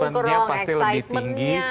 eksitementnya pasti lebih tinggi